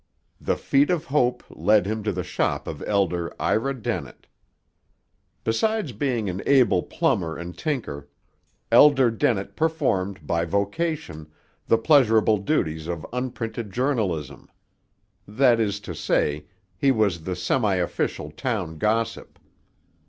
The feet of hope led him to the shop of Elder Ira Dennett. Besides being an able plumber and tinker, Elder Dennett performed, by vocation, the pleasurable duties of unprinted journalism. That is to say, he was the semiofficial town gossip.